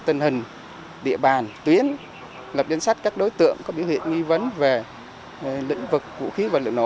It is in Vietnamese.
lực địa bàn tuyến lập danh sách các đối tượng có biểu hiện nghi vấn về lĩnh vực vũ khí và lực nổ